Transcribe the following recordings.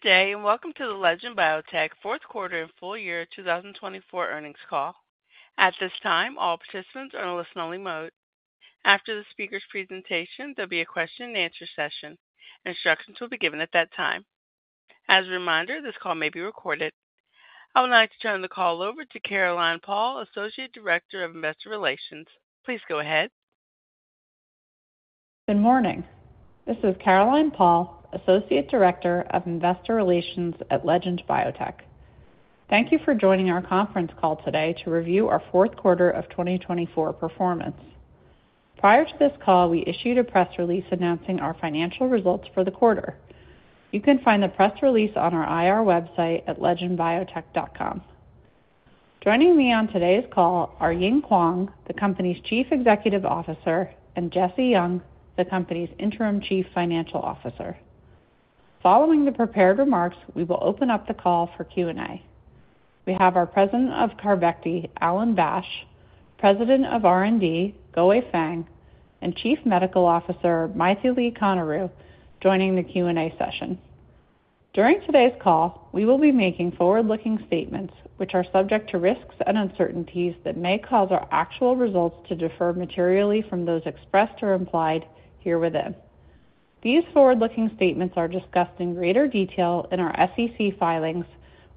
Good day and welcome to the Legend Biotech Fourth Quarter and Full Year 2024 Earnings Call. At this time, all participants are in a listen-only mode. After the speaker's presentation, there'll be a question and answer session. Instructions will be given at that time. As a reminder, this call may be recorded. I would like to turn the call over to Caroline Paul, Associate Director of Investor Relations. Please go ahead. Good morning. This is Caroline Paul, Associate Director of Investor Relations at Legend Biotech. Thank you for joining our conference call today to review our fourth quarter of 2024 performance. Prior to this call, we issued a press release announcing our financial results for the quarter. You can find the press release on our IR website at legendbiotech.com. Joining me on today's call are Ying Huang, the company's Chief Executive Officer, and Jessie Yeung, the company's Interim Chief Financial Officer. Following the prepared remarks, we will open up the call for Q&A. We have our President of CARVYKTI, Alan Bash, President of R&D, Guowei Fang, and Chief Medical Officer, Mythili Koneru, joining the Q&A session. During today's call, we will be making forward-looking statements, which are subject to risks and uncertainties that may cause our actual results to differ materially from those expressed or implied here within. These forward-looking statements are discussed in greater detail in our SEC filings,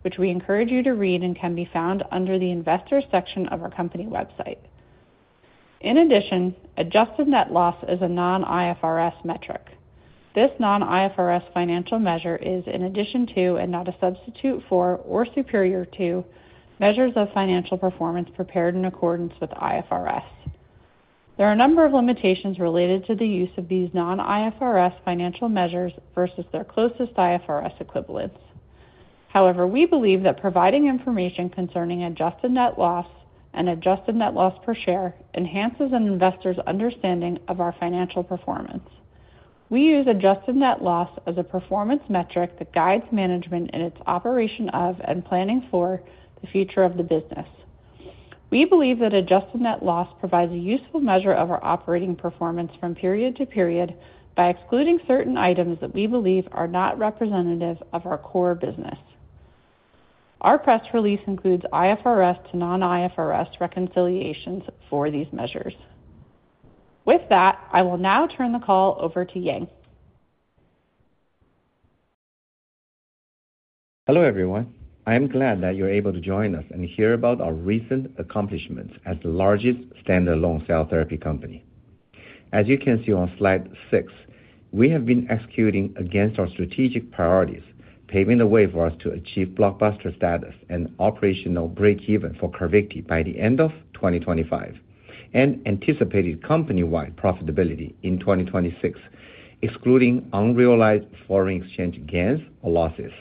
which we encourage you to read and can be found under the Investor section of our company website. In addition, adjusted net loss is a non-IFRS metric. This non-IFRS financial measure is in addition to and not a substitute for or superior to measures of financial performance prepared in accordance with IFRS. There are a number of limitations related to the use of these non-IFRS financial measures versus their closest IFRS equivalents. However, we believe that providing information concerning adjusted net loss and adjusted net loss per share enhances an investor's understanding of our financial performance. We use adjusted net loss as a performance metric that guides management in its operation of and planning for the future of the business. We believe that adjusted net loss provides a useful measure of our operating performance from period to period by excluding certain items that we believe are not representative of our core business. Our press release includes IFRS to non-IFRS reconciliations for these measures. With that, I will now turn the call over to Ying. Hello everyone. I am glad that you're able to join us and hear about our recent accomplishments as the largest standalone cell therapy company. As you can see on slide six, we have been executing against our strategic priorities, paving the way for us to achieve blockbuster status and operational break-even for CARVYKTI by the end of 2025, and anticipated company-wide profitability in 2026, excluding unrealized foreign exchange gains or losses.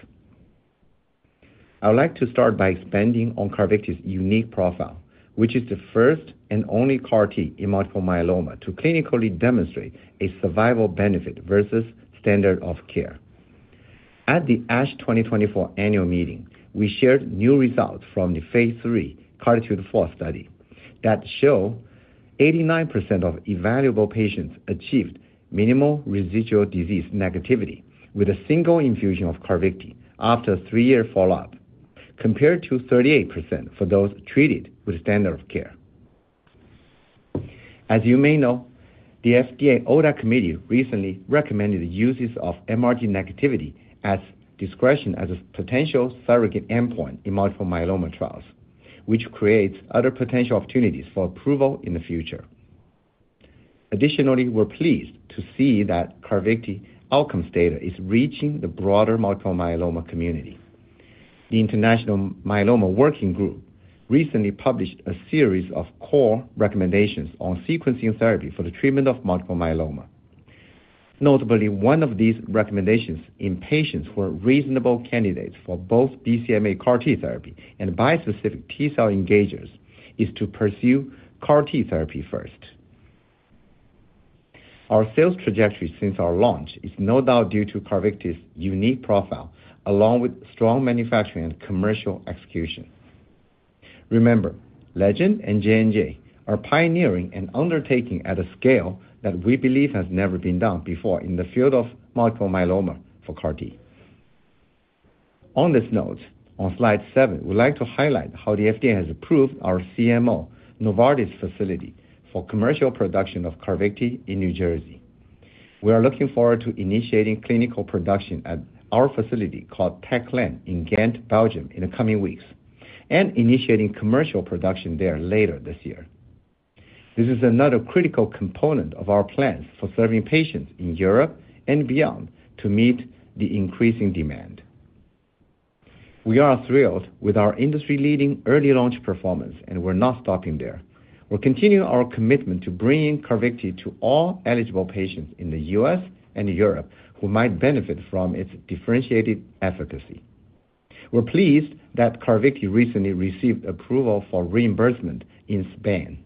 I would like to start by expanding on CARVYKTI's unique profile, which is the first and only CAR-T in multiple myeloma to clinically demonstrate a survival benefit versus standard of care. At the ASH 2024 annual meeting, we shared new results from the phase III CARTITUDE-4 study that show 89% of evaluable patients achieved minimal residual disease negativity with a single infusion of CARVYKTI after a three-year follow-up, compared to 38% for those treated with standard of care. As you may know, the FDA ODAC Committee recently recommended the use of MRD negativity as discretion as a potential surrogate endpoint in multiple myeloma trials, which creates other potential opportunities for approval in the future. Additionally, we're pleased to see that CARVYKTI outcome data is reaching the broader multiple myeloma community. The International Myeloma Working Group recently published a series of core recommendations on sequencing therapy for the treatment of multiple myeloma. Notably, one of these recommendations in patients who are reasonable candidates for both BCMA CAR-T therapy and bispecific T-cell engagers is to pursue CAR-T therapy first. Our sales trajectory since our launch is no doubt due to CARVYKTI's unique profile, along with strong manufacturing and commercial execution. Remember, Legend and J&J are pioneering and undertaking at a scale that we believe has never been done before in the field of multiple myeloma for CAR-T. On this note, on slide seven, we'd like to highlight how the FDA has approved our CMO Novartis facility for commercial production of CARVYKTI in New Jersey. We are looking forward to initiating clinical production at our facility called Tech Lane in Ghent, Belgium, in the coming weeks and initiating commercial production there later this year. This is another critical component of our plans for serving patients in Europe and beyond to meet the increasing demand. We are thrilled with our industry-leading early launch performance, and we're not stopping there. We're continuing our commitment to bringing CARVYKTI to all eligible patients in the U.S. and Europe who might benefit from its differentiated efficacy. We're pleased that CARVYKTI recently received approval for reimbursement in Spain.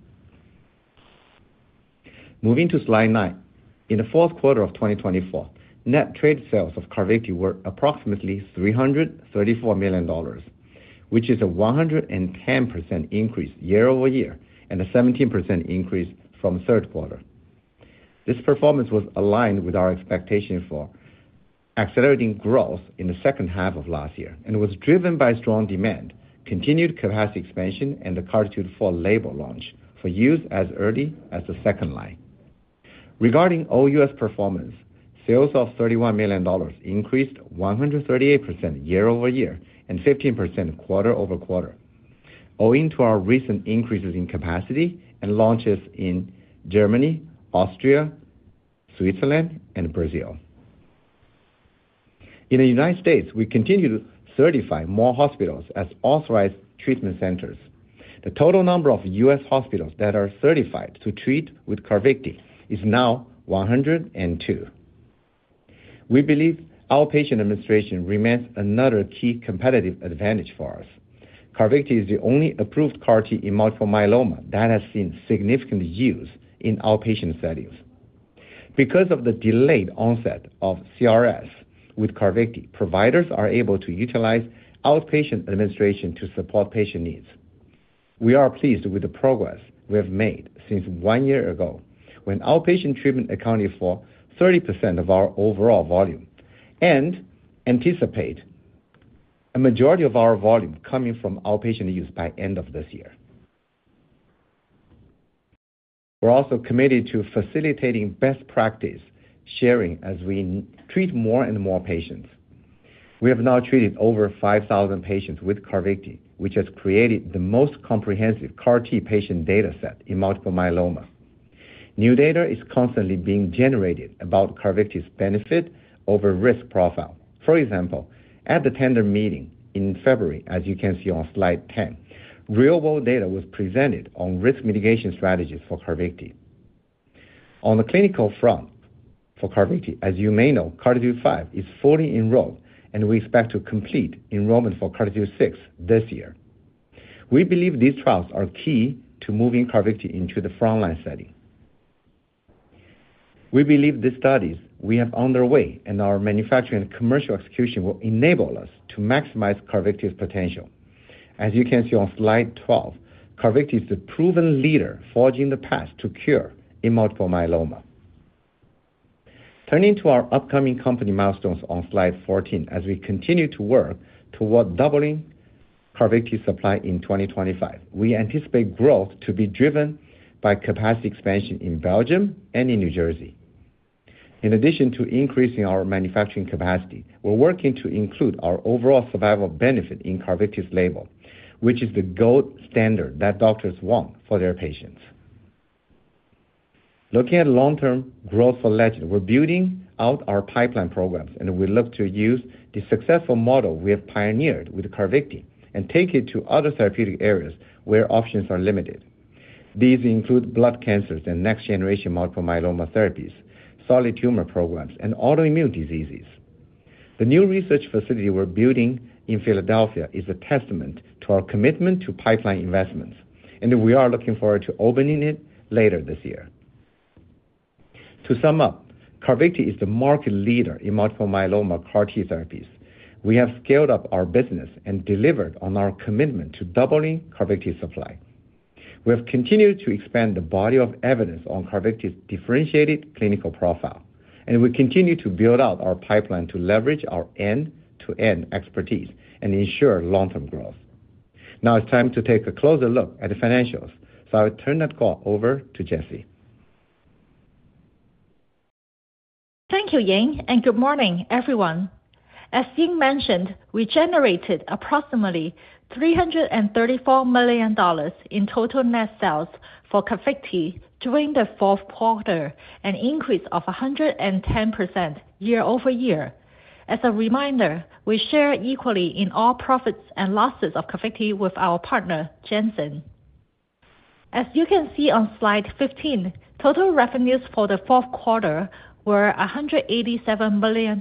Moving to slide nine, in the fourth quarter of 2024, net trade sales of CARVYKTI were approximately $334 million, which is a 110% increase year over year and a 17% increase from third quarter. This performance was aligned with our expectation for accelerating growth in the second half of last year and was driven by strong demand, continued capacity expansion, and the CARTITUDE-4 label launch for use as early as the second line. Regarding OU.S. performance, sales of $31 million increased 138% year over year and 15% quarter over quarter, owing to our recent increases in capacity and launches in Germany, Austria, Switzerland, and Brazil. In the United States, we continue to certify more hospitals as authorized treatment centers. The total number of U.S. hospitals that are certified to treat with CARVYKTI is now 102. We believe outpatient administration remains another key competitive advantage for us. CARVYKTI is the only approved CAR-T in multiple myeloma that has seen significant use in outpatient settings. Because of the delayed onset of CRS with CARVYKTI, providers are able to utilize outpatient administration to support patient needs. We are pleased with the progress we have made since one year ago, when outpatient treatment accounted for 30% of our overall volume, and anticipate a majority of our volume coming from outpatient use by the end of this year. We're also committed to facilitating best practice sharing as we treat more and more patients. We have now treated over 5,000 patients with CARVYKTI, which has created the most comprehensive CAR-T patient data set in multiple myeloma. New data is constantly being generated about CARVYKTI's benefit over risk profile. For example, at the Tandem meeting in February, as you can see on slide 10, real-world data was presented on risk mitigation strategies for CARVYKTI. On the clinical front for CARVYKTI, as you may know, CARTITUDE-5 is fully enrolled, and we expect to complete enrollment for CARTITUDE-6 this year. We believe these trials are key to moving CARVYKTI into the frontline setting. We believe the studies we have underway and our manufacturing and commercial execution will enable us to maximize CARVYKTI's potential. As you can see on slide 12, CARVYKTI is the proven leader forging the path to cure in multiple myeloma. Turning to our upcoming company milestones on slide 14, as we continue to work toward doubling CARVYKTI's supply in 2025, we anticipate growth to be driven by capacity expansion in Belgium and in New Jersey. In addition to increasing our manufacturing capacity, we're working to include our overall survival benefit in CARVYKTI's label, which is the gold standard that doctors want for their patients. Looking at long-term growth for Legend, we're building out our pipeline program, and we look to use the successful model we have pioneered with CARVYKTI and take it to other therapeutic areas where options are limited. These include blood cancers and next-generation multiple myeloma therapies, solid tumor programs, and autoimmune diseases. The new research facility we're building in Philadelphia is a testament to our commitment to pipeline investments, and we are looking forward to opening it later this year. To sum up, CARVYKTI is the market leader in multiple myeloma CAR-T therapies. We have scaled up our business and delivered on our commitment to doubling CARVYKTI's supply. We have continued to expand the body of evidence on CARVYKTI's differentiated clinical profile, and we continue to build out our pipeline to leverage our end-to-end expertise and ensure long-term growth. Now it's time to take a closer look at the financials, so I will turn that call over to Jessie. Thank you, Ying, and good morning, everyone. As Ying mentioned, we generated approximately $334 million in total net sales for CARVYKTI during the fourth quarter, an increase of 110% year over year. As a reminder, we share equally in all profits and losses of CARVYKTI with our partner, Janssen. As you can see on slide 15, total revenues for the fourth quarter were $187 million,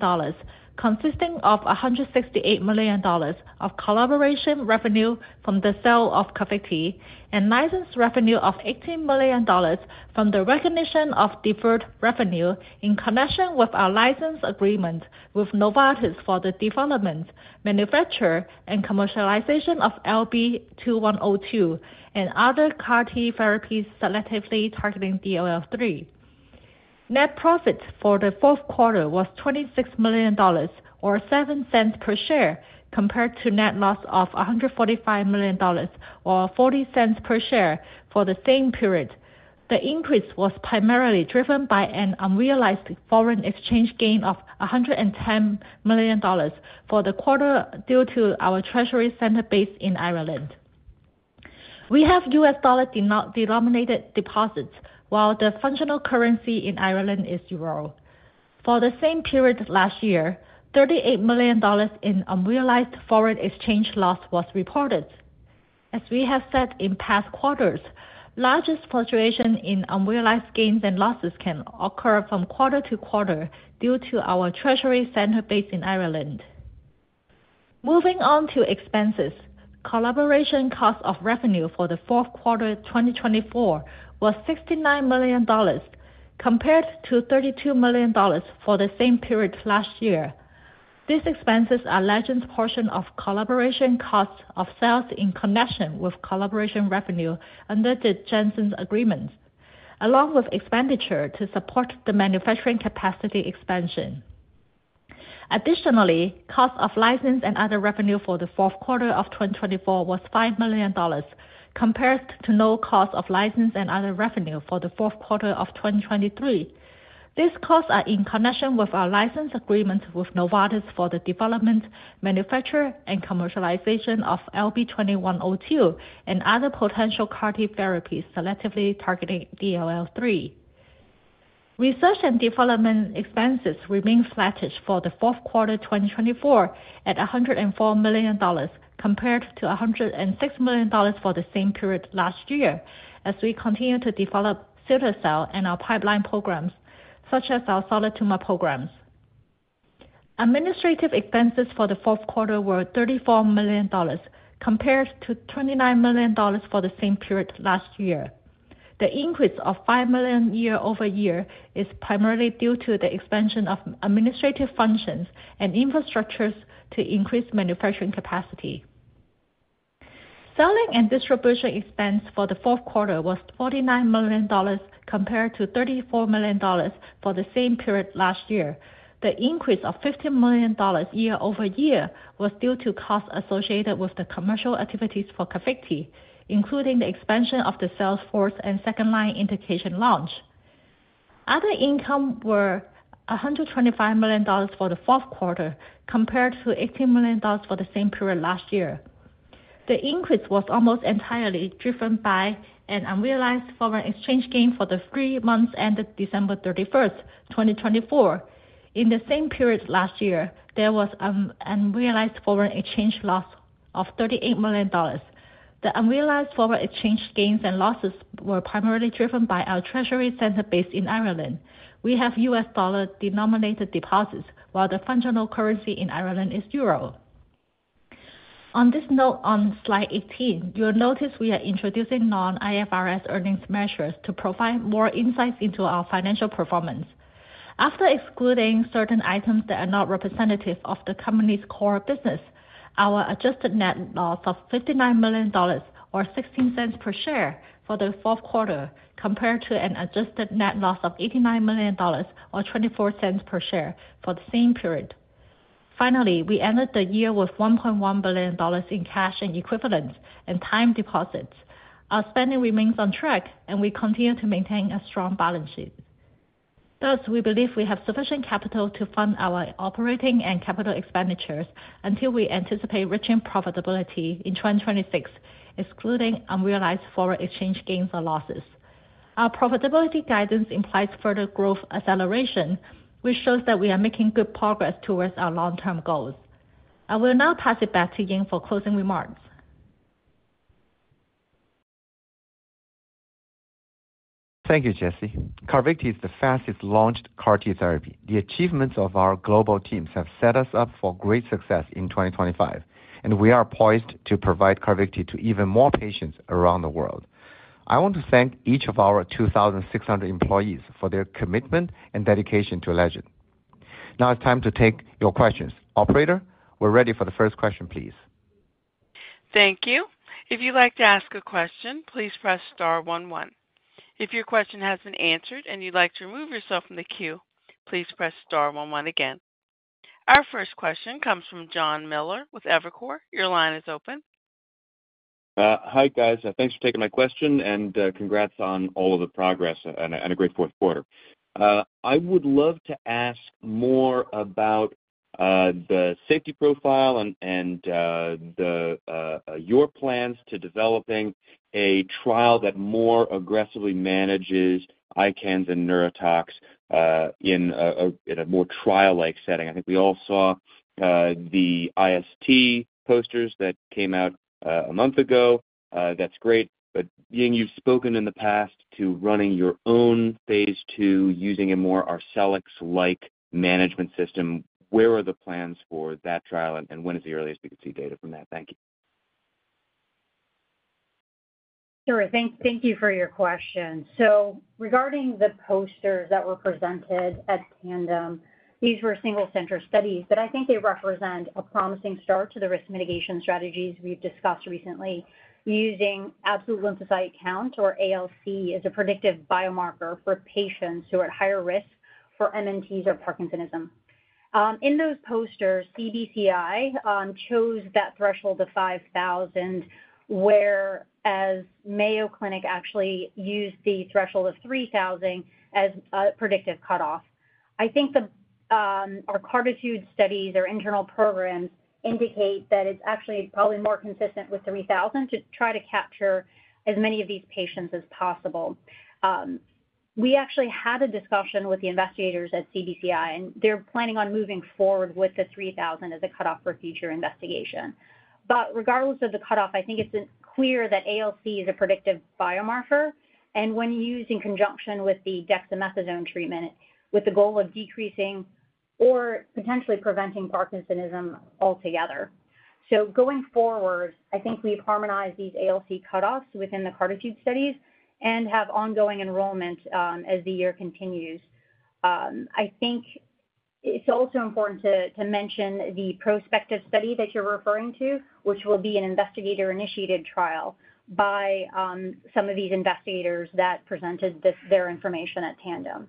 consisting of $168 million of collaboration revenue from the sale of CARVYKTI and license revenue of $18 million from the recognition of deferred revenue in connection with our license agreement with Novartis for the development, manufacture, and commercialization of LB2102 and other CAR-T therapies selectively targeting DLL3. Net profit for the fourth quarter was $26 million, or $0.07 per share, compared to net loss of $145 million, or $0.40 per share for the same period. The increase was primarily driven by an unrealized foreign exchange gain of $110 million for the quarter due to our treasury center base in Ireland. We have U.S. dollar denominated deposits, while the functional currency in Ireland is euro. For the same period last year, $38 million in unrealized foreign exchange loss was reported. As we have said in past quarters, largest fluctuation in unrealized gains and losses can occur from quarter to quarter due to our treasury center base in Ireland. Moving on to expenses, collaboration cost of revenue for the fourth quarter 2024 was $69 million, compared to $32 million for the same period last year. These expenses are Legend's portion of collaboration costs of sales in connection with collaboration revenue under the Janssen agreement, along with expenditure to support the manufacturing capacity expansion. Additionally, cost of license and other revenue for the fourth quarter of 2024 was $5 million, compared to no cost of license and other revenue for the fourth quarter of 2023. These costs are in connection with our license agreement with Novartis for the development, manufacture, and commercialization of LB2102 and other potential CAR-T therapies selectively targeting DLL3. Research and development expenses remain slated for the fourth quarter 2024 at $104 million, compared to $106 million for the same period last year, as we continue to develop cilta-cel and our pipeline programs, such as our solid tumor programs. Administrative expenses for the fourth quarter were $34 million, compared to $29 million for the same period last year. The increase of $5 million year over year is primarily due to the expansion of administrative functions and infrastructures to increase manufacturing capacity. Selling and distribution expense for the fourth quarter was $49 million, compared to $34 million for the same period last year. The increase of $15 million year over year was due to costs associated with the commercial activities for CARVYKTI, including the expansion of the sales force and second line indication launch. Other income were $125 million for the fourth quarter, compared to $18 million for the same period last year. The increase was almost entirely driven by an unrealized foreign exchange gain for the three months ended December 31, 2024. In the same period last year, there was an unrealized foreign exchange loss of $38 million. The unrealized foreign exchange gains and losses were primarily driven by our treasury center base in Ireland. We have U.S. dollar denominated deposits, while the functional currency in Ireland is euro. On this note, on slide 18, you'll notice we are introducing non-IFRS earnings measures to provide more insights into our financial performance. After excluding certain items that are not representative of the company's core business, our adjusted net loss of $59 million, or $0.16 per share for the fourth quarter, compared to an adjusted net loss of $89 million, or $0.24 per share for the same period. Finally, we ended the year with $1.1 billion in cash and equivalents and time deposits. Our spending remains on track, and we continue to maintain a strong balance sheet. Thus, we believe we have sufficient capital to fund our operating and capital expenditures until we anticipate reaching profitability in 2026, excluding unrealized foreign exchange gains or losses. Our profitability guidance implies further growth acceleration, which shows that we are making good progress towards our long-term goals. I will now pass it back to Ying for closing remarks. Thank you, Jessie. CARVYKTI is the fastest launched CAR-T therapy. The achievements of our global teams have set us up for great success in 2025, and we are poised to provide CARVYKTI to even more patients around the world. I want to thank each of our 2,600 employees for their commitment and dedication to Legend. Now it's time to take your questions. Operator, we're ready for the first question, please. Thank you. If you'd like to ask a question, please press star one one. If your question has been answered and you'd like to remove yourself from the queue, please press star one one again. Our first question comes from Jonathan Miller with Evercore. Your line is open. Hi, guys. Thanks for taking my question, and congrats on all of the progress and a great fourth quarter. I would love to ask more about the safety profile and your plans to developing a trial that more aggressively manages ICANS and neurotox in a more trial-like setting. I think we all saw the IST posters that came out a month ago. That's great. Ying, you've spoken in the past to running your own phase II, using a more Arcellx-like management system. Where are the plans for that trial, and when is the earliest we could see data from that? Thank you. Sure. Thank you for your question. Regarding the posters that were presented at Tandem, these were single-center studies, but I think they represent a promising start to the risk mitigation strategies we've discussed recently. Using absolute lymphocyte count, or ALC, as a predictive biomarker for patients who are at higher risk for MNTs or Parkinsonism. In those posters, CBCI chose that threshold of 5,000, whereas Mayo Clinic actually used the threshold of 3,000 as a predictive cutoff. I think our CARTITUDE studies, our internal program, indicate that it's actually probably more consistent with 3,000 to try to capture as many of these patients as possible. We actually had a discussion with the investigators at CBCI, and they're planning on moving forward with the 3,000 as a cutoff for future investigation. Regardless of the cutoff, I think it's clear that ALC is a predictive biomarker, and when used in conjunction with the dexamethasone treatment, with the goal of decreasing or potentially preventing Parkinsonism altogether. Going forward, I think we've harmonized these ALC cutoffs within the CARTITUDE studies and have ongoing enrollment as the year continues. I think it's also important to mention the prospective study that you're referring to, which will be an investigator-initiated trial by some of these investigators that presented their information at Tandem.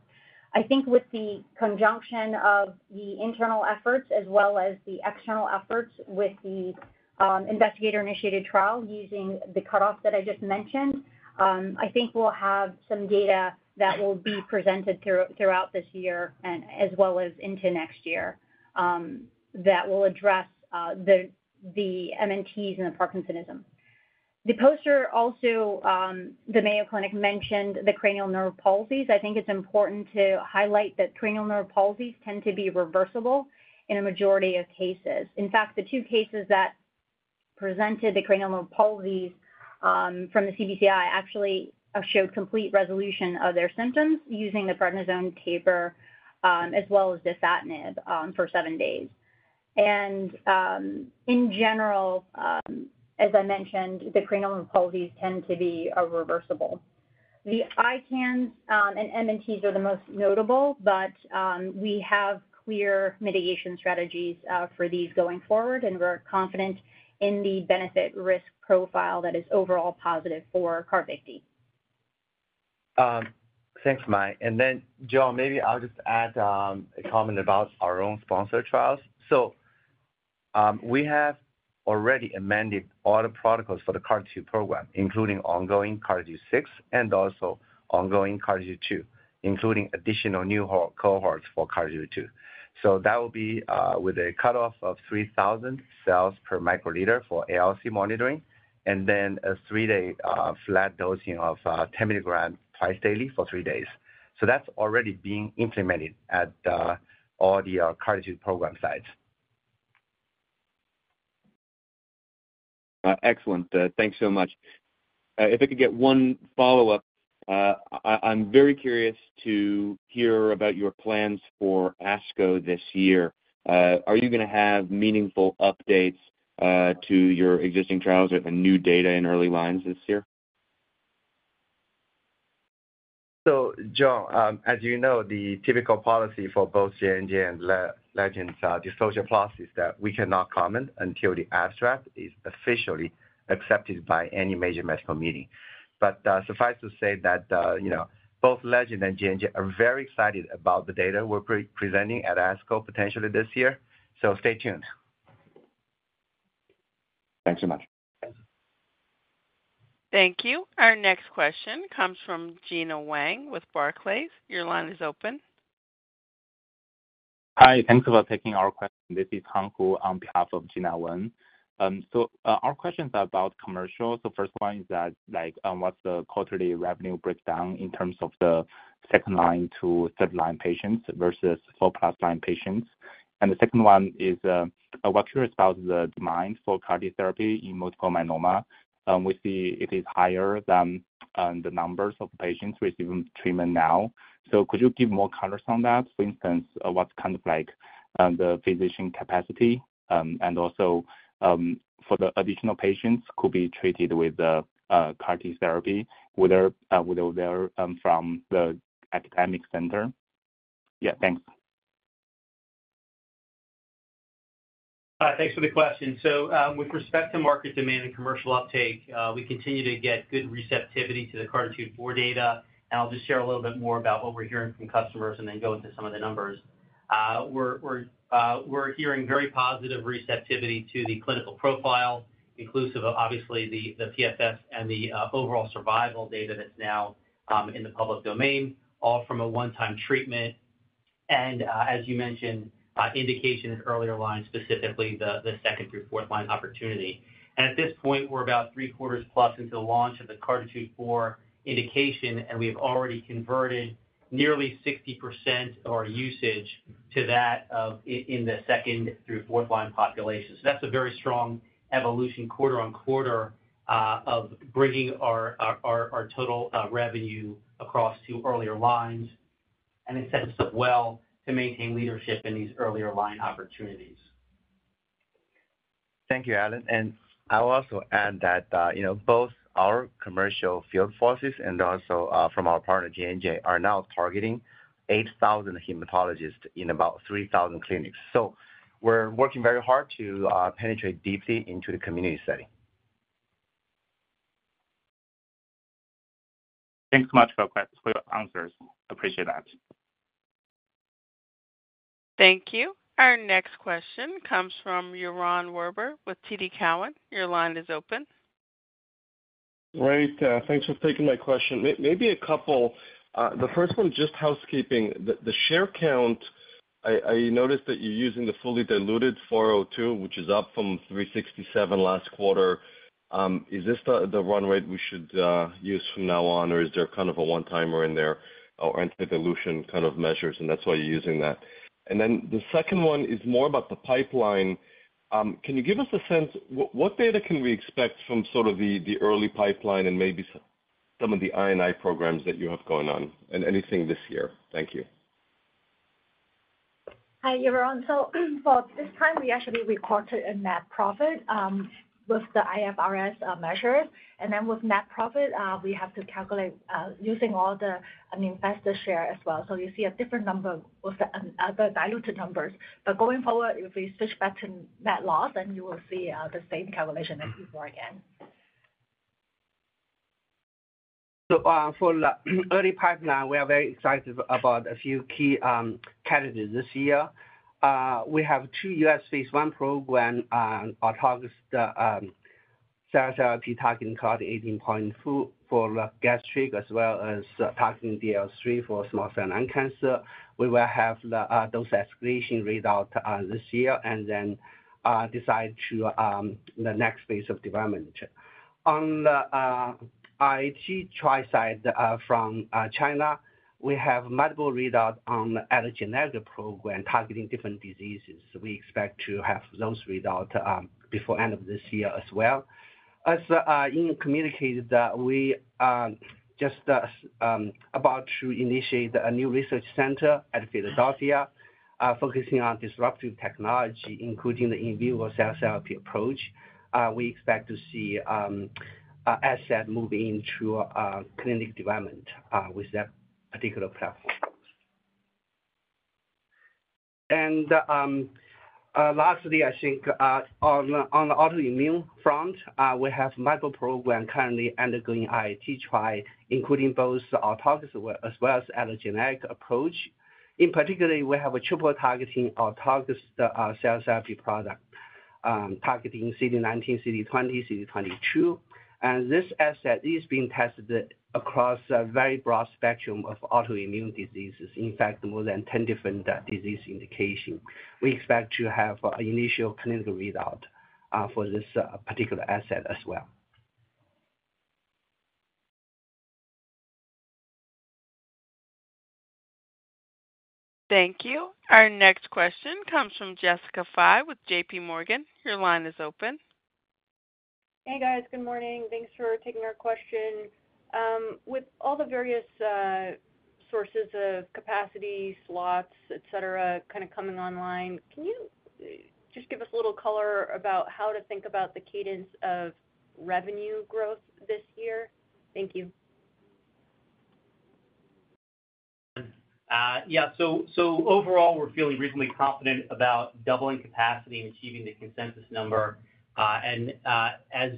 I think with the conjunction of the internal efforts as well as the external efforts with the investigator-initiated trial using the cutoff that I just mentioned, I think we'll have some data that will be presented throughout this year and as well as into next year that will address the MNTs and the Parkinsonism. The poster also, the Mayo Clinic, mentioned the cranial nerve palsies. I think it's important to highlight that cranial nerve palsies tend to be reversible in a majority of cases. In fact, the two cases that presented the cranial nerve palsies from the CDCI actually showed complete resolution of their symptoms using the prednisone taper as well as the dasatinib for seven days. In general, as I mentioned, the cranial nerve palsies tend to be reversible. The ICANS and MNTs are the most notable, but we have clear mitigation strategies for these going forward, and we're confident in the benefit-risk profile that is overall positive for CARVYKTI. Thanks, My. Jon, maybe I'll just add a comment about our own sponsored trials. We have already amended all the protocols for the CAR-T program, including ongoing CAR-T6 and also ongoing CAR-T2, including additional new cohorts for CAR-T2. That will be with a cutoff of 3,000 cells per microliter for ALC monitoring, and then a three-day flat dosing of 10 milligrams twice daily for three days. That's already being implemented at all the CAR-T program sites. Excellent. Thanks so much. If I could get one follow-up, I'm very curious to hear about your plans for ASCO this year. Are you going to have meaningful updates to your existing trials or have new data in early lines this year? Jon, as you know, the typical policy for both J&J and Legend's disclosure policy is that we cannot comment until the abstract is officially accepted by any major medical meeting. Suffice to say that both Legend and J&J are very excited about the data we're presenting at ASCO potentially this year. Stay tuned. Thanks so much. Thank you. Our next question comes from Gena Wang with Barclays. Your line is open. Hi. Thanks for taking our question. This is Han Kuo on behalf of Gena Wang. Our questions are about commercial. The first one is that what's the quarterly revenue breakdown in terms of the second line to third line patients versus four plus line patients? The second one is, we're curious about the demand for CAR-T therapy in multiple myeloma. We see it is higher than the numbers of patients receiving treatment now. Could you give more colors on that? For instance, what's kind of like the physician capacity? Also, for the additional patients who could be treated with the CAR-T therapy, whether they're from the academic center? Yeah, thanks. Hi, thanks for the question. With respect to market demand and commercial uptake, we continue to get good receptivity to the CARTITUDE 4 data. I'll just share a little bit more about what we're hearing from customers and then go into some of the numbers. We're hearing very positive receptivity to the clinical profile, inclusive of obviously the PFS and the overall survival data that's now in the public domain, all from a one-time treatment. As you mentioned, indication in earlier lines, specifically the second through fourth line opportunity. At this point, we're about three quarters plus into the launch of the CARTITUDE 4 indication, and we have already converted nearly 60% of our usage to that in the second through fourth line population. That's a very strong evolution quarter on quarter of bringing our total revenue across to earlier lines. It sets us up well to maintain leadership in these earlier line opportunities. Thank you, Alan. I'll also add that both our commercial field forces and also from our partner, J&J, are now targeting 8,000 hematologists in about 3,000 clinics. We are working very hard to penetrate deeply into the community setting. Thanks so much for your answers. Appreciate that. Thank you. Our next question comes from Yaron Werber with TD Cowen. Your line is open. Great. Thanks for taking my question. Maybe a couple. The first one, just housekeeping. The share count, I noticed that you're using the fully diluted 402, which is up from 367 last quarter. Is this the run rate we should use from now on, or is there kind of a one-timer in there or anti-dilution kind of measures, and that's why you're using that? The second one is more about the pipeline. Can you give us a sense? What data can we expect from sort of the early pipeline and maybe some of the INI programs that you have going on and anything this year? Thank you. Hi, everyone. This time, we actually reported a net profit with the IFRS measures. With net profit, we have to calculate using all the investor share as well. You see a different number with the other diluted numbers. Going forward, if we switch back to net loss, you will see the same calculation as before again. For the early pipeline, we are very excited about a few key categories this year. We have two U.S. phase I programs, autologous cell therapy targeting Claudin 18.2 for gastric as well as targeting DLL3 for small cell lung cancer. We will have the dose escalation readout this year and then decide to the next phase of development. On the IIT trial side from China, we have multiple readouts on the allogeneic program targeting different diseases. We expect to have those readouts before the end of this year as well. As Ying communicated, we are just about to initiate a new research center at Philadelphia focusing on disruptive technology, including the in vivo CAR-T approach. We expect to see assets moving into clinic development with that particular platform. Lastly, I think on the autoimmune front, we have multiple programs currently undergoing IIT trial, including both autologous as well as allogeneic approach. In particular, we have a triple-targeting autologous cell therapy product targeting CD19, CD20, CD22. This asset is being tested across a very broad spectrum of autoimmune diseases, in fact, more than 10 different disease indications. We expect to have an initial clinical readout for this particular asset as well. Thank you. Our next question comes from Jessica Fye with JPMorgan. Your line is open. Hey, guys. Good morning. Thanks for taking our question. With all the various sources of capacity, slots, et cetera, kind of coming online, can you just give us a little color about how to think about the cadence of revenue growth this year? Thank you. Yeah. Overall, we're feeling reasonably confident about doubling capacity and achieving the consensus number. As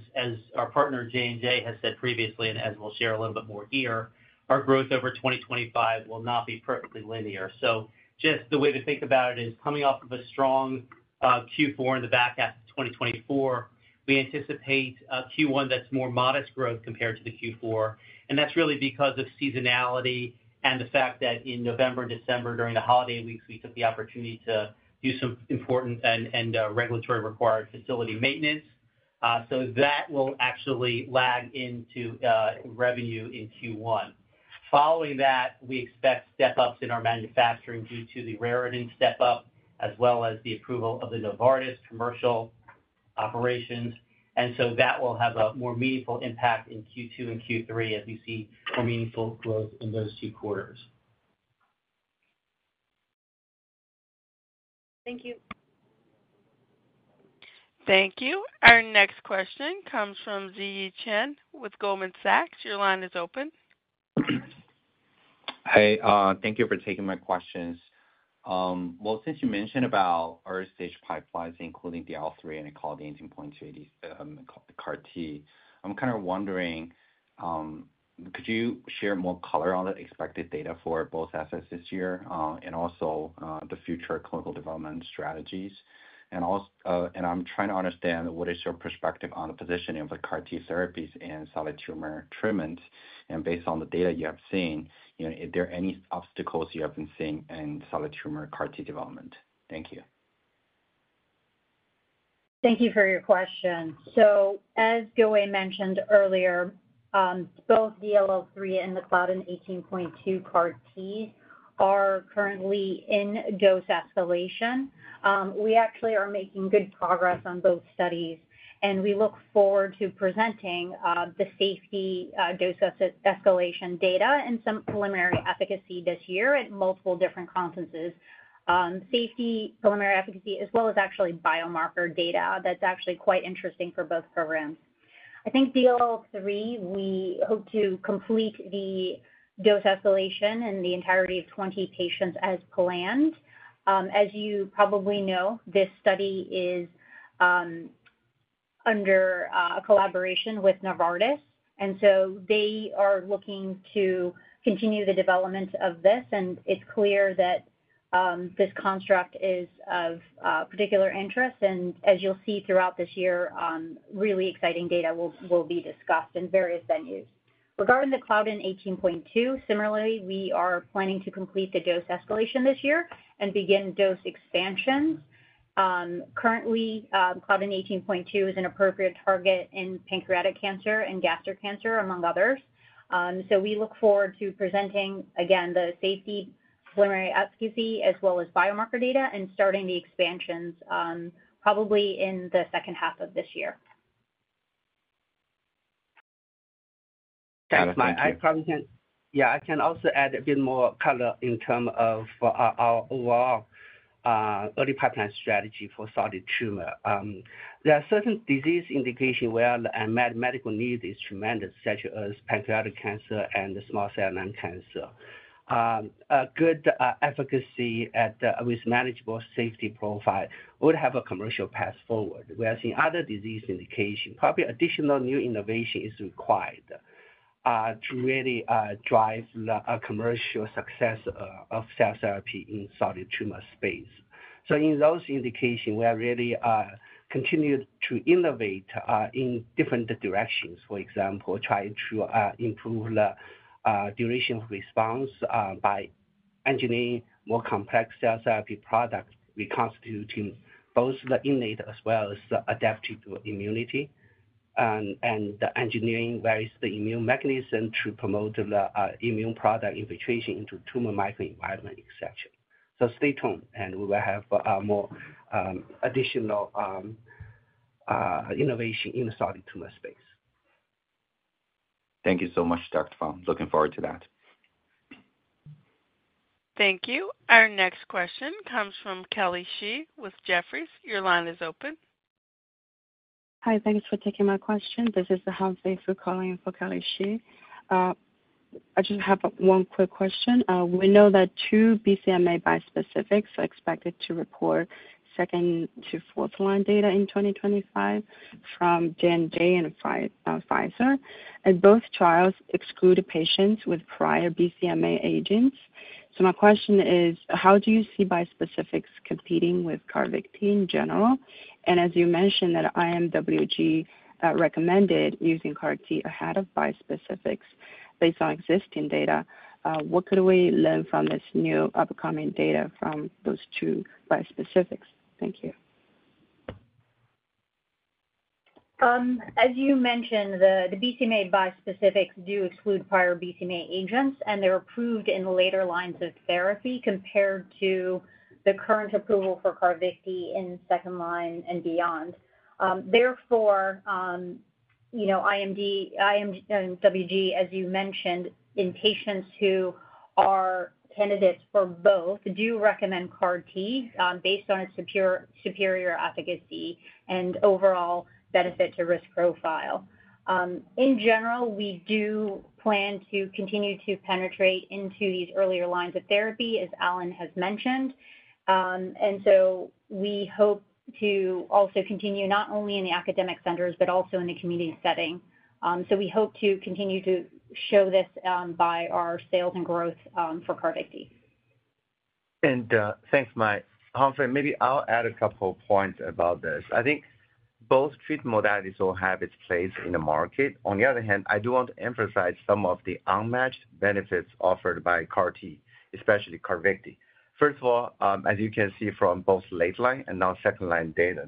our partner, J&J, has said previously, and as we'll share a little bit more here, our growth over 2025 will not be perfectly linear. The way to think about it is coming off of a strong Q4 in the back half of 2024, we anticipate a Q1 that's more modest growth compared to the Q4. That's really because of seasonality and the fact that in November and December, during the holiday weeks, we took the opportunity to do some important and regulatory-required facility maintenance. That will actually lag into revenue in Q1. Following that, we expect step-ups in our manufacturing due to the rarity in step-up, as well as the approval of the Novartis commercial operations. That will have a more meaningful impact in Q2 and Q3 as we see more meaningful growth in those two quarters. Thank you. Thank you. Our next question comes from Ziyi Chen with Goldman Sachs. Your line is open. Hi. Thank you for taking my questions. Since you mentioned about early-stage pipelines, including the DLL3 and the CAR-T, I'm kind of wondering, could you share more color on the expected data for both assets this year and also the future clinical development strategies? I'm trying to understand what is your perspective on the positioning of the CAR-T therapies and solid tumor treatments. Based on the data you have seen, are there any obstacles you have been seeing in solid tumor CAR-T development? Thank you. Thank you for your question. As Huang mentioned earlier, both the DLL3 and the Claudin 18.2 are currently in dose escalation. We actually are making good progress on both studies. We look forward to presenting the safety dose escalation data and some preliminary efficacy this year at multiple different conferences, safety, preliminary efficacy, as well as actually biomarker data that's actually quite interesting for both programs. I think the DLL3, we hope to complete the dose escalation in the entirety of 20 patients as planned. As you probably know, this study is under a collaboration with Novartis. They are looking to continue the development of this. It is clear that this construct is of particular interest. As you'll see throughout this year, really exciting data will be discussed in various venues. Regarding the Claudin 18.2, similarly, we are planning to complete the dose escalation this year and begin dose expansion. Currently, Claudin 18.2 is an appropriate target in pancreatic cancer and gastric cancer, among others. We look forward to presenting, again, the safety, preliminary efficacy, as well as biomarker data and starting the expansions probably in the second half of this year. Yeah, I can also add a bit more color in terms of our overall early pipeline strategy for solid tumor. There are certain disease indications where the medical need is tremendous, such as pancreatic cancer and small cell lung cancer. Good efficacy with manageable safety profile would have a commercial path forward. Whereas in other disease indications, probably additional new innovation is required to really drive commercial success of cell therapy in solid tumor space. In those indications, we are really continuing to innovate in different directions. For example, trying to improve the duration of response by engineering more complex cell therapy products reconstituting both the innate as well as the adaptive immunity and engineering various immune mechanisms to promote the immune product infiltration into tumor microenvironment, et cetera. Stay tuned, and we will have more additional innovation in the solid tumor space. Thank you so much, Dr. Huang. Looking forward to that. Thank you. Our next question comes from Kelly Xi with Jefferies. Your line is open. Hi, thanks for taking my question. This is Han Fei calling for Kelly Xi. I just have one quick question. We know that two BCMA bispecifics are expected to report second to fourth line data in 2025 from J&J and Pfizer. Both trials exclude patients with prior BCMA agents. My question is, how do you see bispecifics competing with CARVYKTI in general? As you mentioned that IMWG recommended using CAR-T ahead of bispecifics based on existing data, what could we learn from this new upcoming data from those two bispecifics? Thank you. As you mentioned, the BCMA bispecifics do exclude prior BCMA agents, and they're approved in later lines of therapy compared to the current approval for CARVYKTI in second line and beyond. Therefore, IMWG, as you mentioned, in patients who are candidates for both, do recommend CAR-T based on its superior efficacy and overall benefit to risk profile. In general, we do plan to continue to penetrate into these earlier lines of therapy, as Alan has mentioned. We hope to also continue not only in the academic centers, but also in the community setting. We hope to continue to show this by our sales and growth for CARVYKTI. Thanks, My. Han Fei, maybe I'll add a couple of points about this. I think both treatment modalities will have its place in the market. On the other hand, I do want to emphasize some of the unmatched benefits offered by CAR-T, especially CARVYKTI. First of all, as you can see from both late line and now second line data,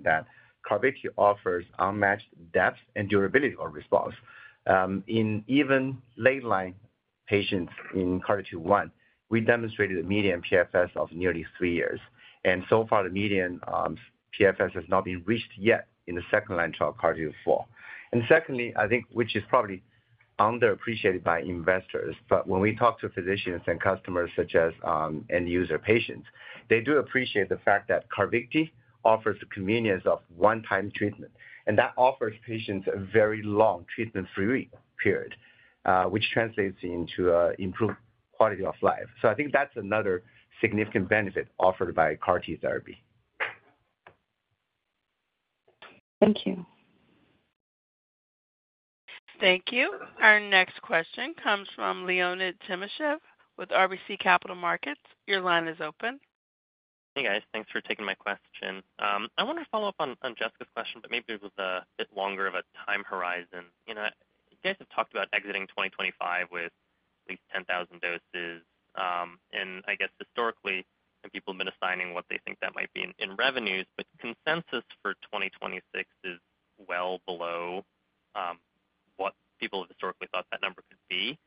CARVYKTI offers unmatched depth and durability of response. In even late line patients in CARTITUDE-1, we demonstrated a median PFS of nearly three years. So far, the median PFS has not been reached yet in the second line trial, CARTITUDE-4. Secondly, I think, which is probably underappreciated by investors, but when we talk to physicians and customers such as end-user patients, they do appreciate the fact that CARVYKTI offers the convenience of one-time treatment. That offers patients a very long treatment-free period, which translates into an improved quality of life. I think that's another significant benefit offered by CAR-T therapy. Thank you. Thank you. Our next question comes from Leonid Timashev with RBC Capital Markets. Your line is open. Hey, guys. Thanks for taking my question. I want to follow up on Jessica's question, but maybe with a bit longer of a time horizon. You guys have talked about exiting 2025 with at least 10,000 doses. I guess historically, people have been assigning what they think that might be in revenues, but consensus for 2026 is well below what people have historically thought that number could be.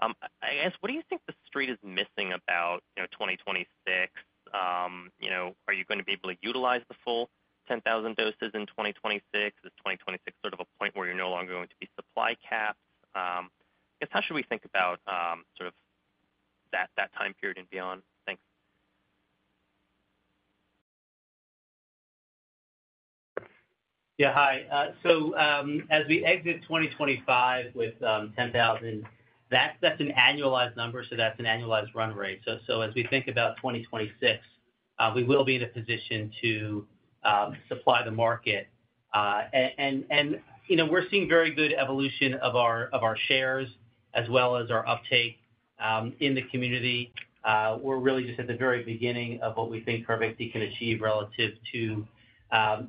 I guess, what do you think the street is missing about 2026? Are you going to be able to utilize the full 10,000 doses in 2026? Is 2026 sort of a point where you're no longer going to be supply capped? I guess, how should we think about sort of that time period and beyond? Thanks. Yeah, hi. As we exit 2025 with 10,000, that's an annualized number, so that's an annualized run rate. As we think about 2026, we will be in a position to supply the market. We're seeing very good evolution of our shares as well as our uptake in the community. We're really just at the very beginning of what we think CARVYKTI can achieve relative to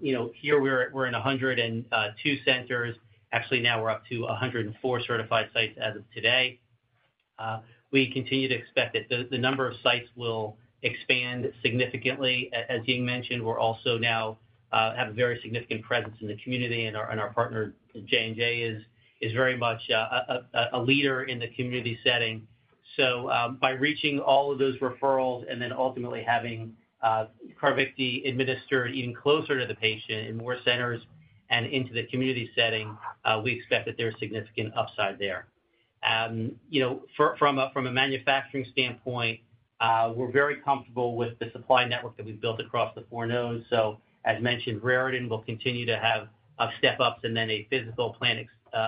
here, we're in 102 centers. Actually, now we're up to 104 certified sites as of today. We continue to expect that the number of sites will expand significantly. As Ying mentioned, we also now have a very significant presence in the community, and our partner, Johnson & Johnson, is very much a leader in the community setting. By reaching all of those referrals and then ultimately having CARVYKTI administered even closer to the patient in more centers and into the community setting, we expect that there's significant upside there. From a manufacturing standpoint, we're very comfortable with the supply network that we've built across the four nodes. As mentioned, Raritan will continue to have step-ups and then a physical plant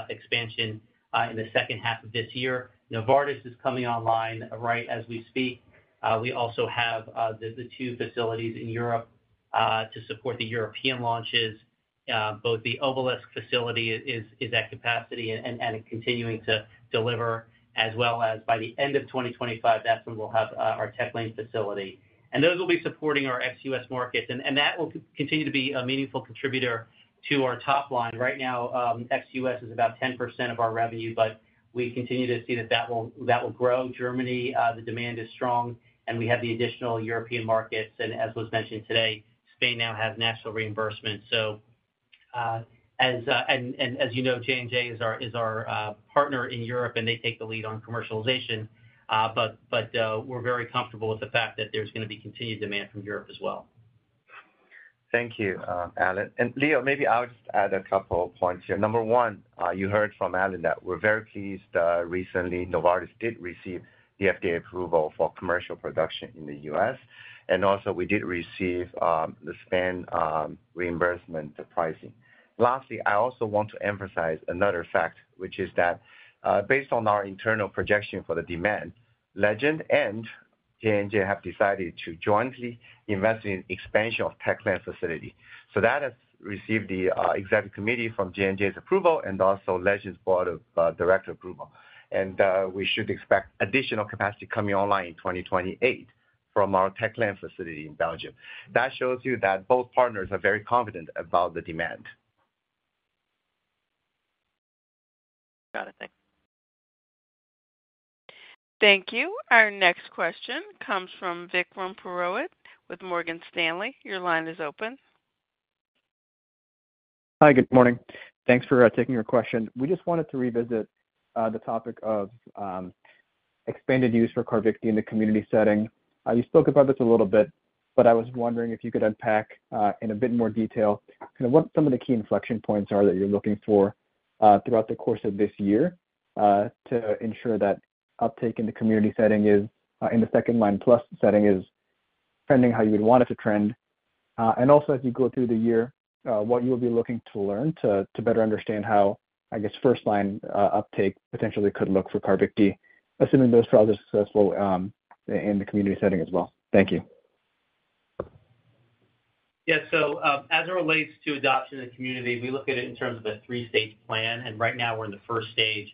expansion in the second half of this year. Novartis is coming online right as we speak. We also have the two facilities in Europe to support the European launches. Both the Obelis facility is at capacity and continuing to deliver, as well as by the end of 2025, that's when we'll have our Tech Lane facility. Those will be supporting our ex-U.S. markets. That will continue to be a meaningful contributor to our top line. Right now, ex-U.S. is about 10% of our revenue, but we continue to see that that will grow. Germany, the demand is strong, and we have the additional European markets. As was mentioned today, Spain now has national reimbursement. As you know, J&J is our partner in Europe, and they take the lead on commercialization. We are very comfortable with the fact that there is going to be continued demand from Europe as well. Thank you, Alan. Leo, maybe I'll just add a couple of points here. Number one, you heard from Alan that we're very pleased recently Novartis did receive the FDA approval for commercial production in the U.S. We did receive the spend reimbursement pricing. Lastly, I also want to emphasize another fact, which is that based on our internal projection for the demand, Legend and J&J have decided to jointly invest in expansion of Tech Lane facility. That has received the executive committee from J&J's approval and also Legend's board of director approval. We should expect additional capacity coming online in 2028 from our Tech Lane facility in Belgium. That shows you that both partners are very confident about the demand. Got it. Thanks. Thank you. Our next question comes from Vikram Purohit with Morgan Stanley. Your line is open. Hi, good morning. Thanks for taking your question. We just wanted to revisit the topic of expanded use for CARVYKTI in the community setting. You spoke about this a little bit, but I was wondering if you could unpack in a bit more detail what some of the key inflection points are that you're looking for throughout the course of this year to ensure that uptake in the community setting is in the second line plus setting is trending how you would want it to trend. Also, as you go through the year, what you'll be looking to learn to better understand how, I guess, first line uptake potentially could look for CARVYKTI, assuming those trials are successful in the community setting as well. Thank you. Yeah, as it relates to adoption in the community, we look at it in terms of a three-stage plan. Right now, we're in the first stage,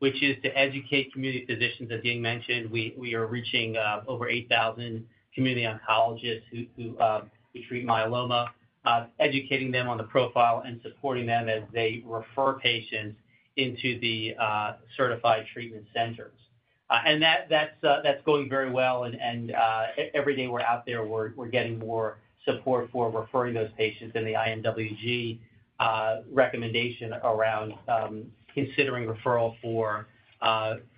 which is to educate community physicians. As Ying mentioned, we are reaching over 8,000 community oncologists who treat myeloma, educating them on the profile and supporting them as they refer patients into the certified treatment centers. That's going very well. Every day we're out there, we're getting more support for referring those patients and the IMWG recommendation around considering referral for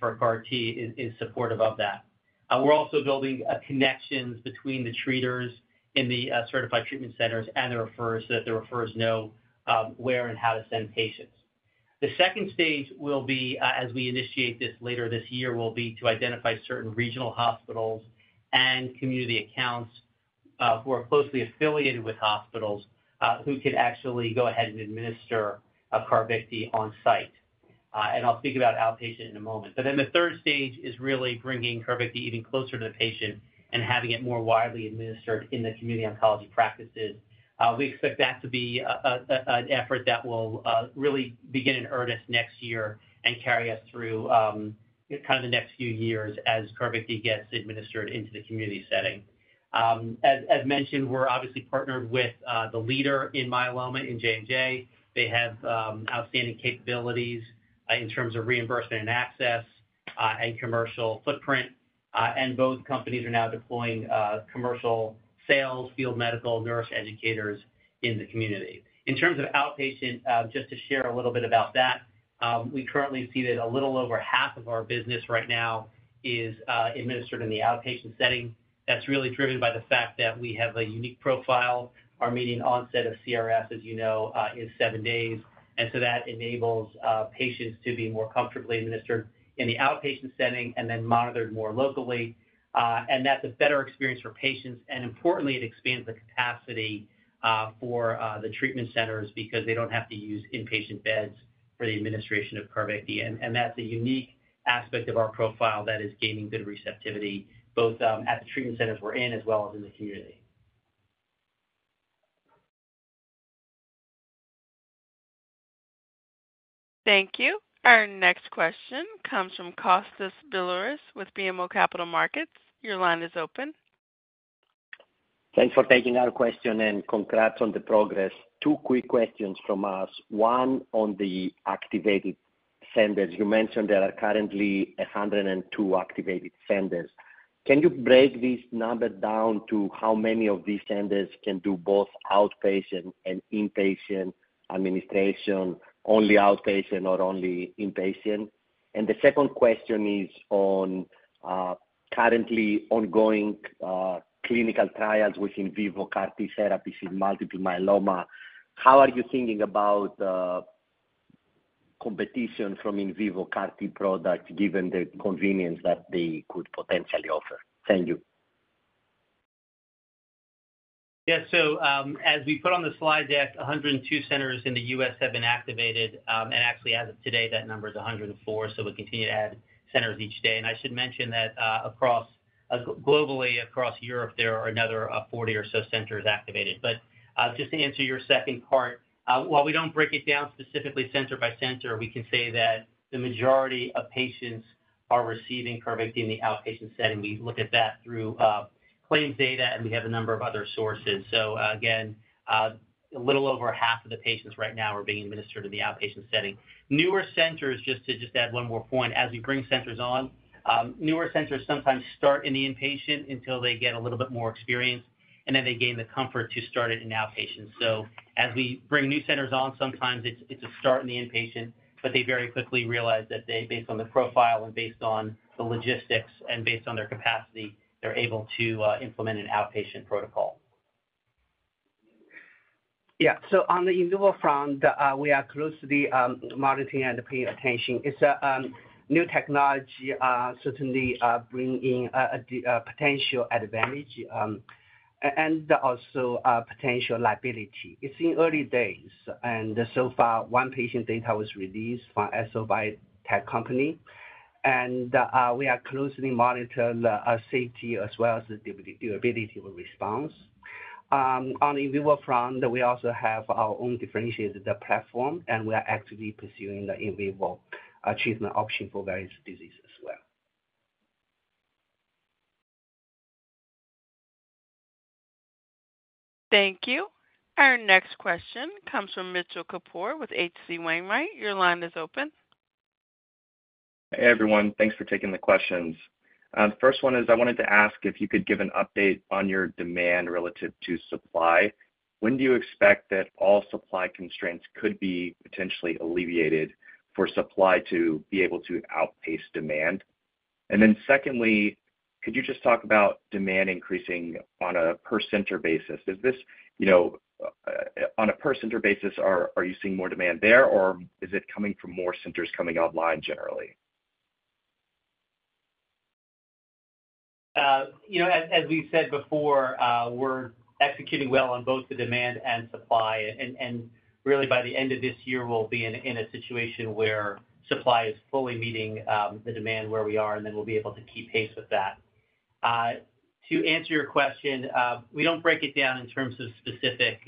CAR-T in support of that. We're also building connections between the treaters in the certified treatment centers and the referrers so that the referrers know where and how to send patients. The second stage will be, as we initiate this later this year, to identify certain regional hospitals and community accounts who are closely affiliated with hospitals who can actually go ahead and administer CARVYKTI on site. I'll speak about outpatient in a moment. The third stage is really bringing CARVYKTI even closer to the patient and having it more widely administered in the community oncology practices. We expect that to be an effort that will really begin in earnest next year and carry us through the next few years as CARVYKTI gets administered into the community setting. As mentioned, we're obviously partnered with the leader in myeloma in J&J. They have outstanding capabilities in terms of reimbursement and access and commercial footprint. Both companies are now deploying commercial sales, field medical, nurse educators in the community. In terms of outpatient, just to share a little bit about that, we currently see that a little over half of our business right now is administered in the outpatient setting. That's really driven by the fact that we have a unique profile. Our median onset of CRS, as you know, is seven days. That enables patients to be more comfortably administered in the outpatient setting and then monitored more locally. That's a better experience for patients. Importantly, it expands the capacity for the treatment centers because they do not have to use inpatient beds for the administration of CARVYKTI. That's a unique aspect of our profile that is gaining good receptivity both at the treatment centers we're in as well as in the community. Thank you. Our next question comes from Kostas Biliouris with BMO Capital Markets. Your line is open. Thanks for taking our question and congrats on the progress. Two quick questions from us. One on the activated centers. You mentioned there are currently 102 activated centers. Can you break this number down to how many of these centers can do both outpatient and inpatient administration, only outpatient or only inpatient? The second question is on currently ongoing clinical trials with in vivo CAR-T therapies in multiple myeloma. How are you thinking about competition from in vivo CAR-T products given the convenience that they could potentially offer? Thank you. Yeah, as we put on the slide deck, 102 centers in the U.S. have been activated. Actually, as of today, that number is 104. We will continue to add centers each day. I should mention that globally, across Europe, there are another 40 or so centers activated. Just to answer your second part, while we do not break it down specifically center by center, we can say that the majority of patients are receiving CARVYKTI in the outpatient setting. We look at that through claim data, and we have a number of other sources. Again, a little over half of the patients right now are being administered in the outpatient setting. Newer centers, just to add one more point, as we bring centers on, newer centers sometimes start in the inpatient until they get a little bit more experience, and then they gain the comfort to start it in outpatient. As we bring new centers on, sometimes it is a start in the inpatient, but they very quickly realize that they, based on the profile and based on the logistics and based on their capacity, are able to implement an outpatient protocol. Yeah, on the in vivo front, we are closely monitoring and paying attention. It's a new technology, certainly bringing a potential advantage and also potential liability. It's in early days. So far, one patient data was released by SO-Biotech. We are closely monitoring the safety as well as the durability of response. On the in vivo front, we also have our own differentiated platform, and we are actively pursuing the in vivo treatment option for various diseases as well. Thank you. Our next question comes from Mitchell Kapoor with HC Wainwright. Your line is open. Hey, everyone. Thanks for taking the questions. The first one is I wanted to ask if you could give an update on your demand relative to supply. When do you expect that all supply constraints could be potentially alleviated for supply to be able to outpace demand? Secondly, could you just talk about demand increasing on a per center basis? On a per center basis, are you seeing more demand there, or is it coming from more centers coming online generally? As we said before, we're executing well on both the demand and supply. Really, by the end of this year, we'll be in a situation where supply is fully meeting the demand where we are, and then we'll be able to keep pace with that. To answer your question, we don't break it down in terms of specific